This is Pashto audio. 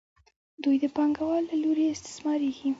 دوی د پانګوالو له لوري استثمارېږي